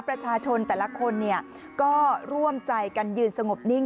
ประชาชนแต่ละคนก็ร่วมใจกันยืนสงบนิ่ง